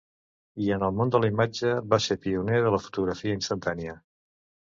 I en el món de la imatge va ser pioner de la fotografia instantània.